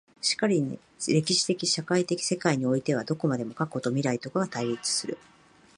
然るに歴史的社会的世界においてはどこまでも過去と未来とが対立する。